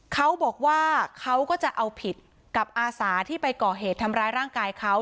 เขาบอกว่าเขาก็จะเอาผิดกับอาสาที่ไปก่อเหตุทำร้ายร่างกายเขา